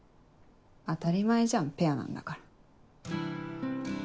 当たり前じゃんペアなんだから。